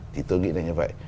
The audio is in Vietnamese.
thì tôi nghĩ là như vậy